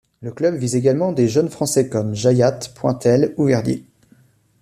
Le club vise également des jeunes français comme Jayat, Pointel ou Verdier.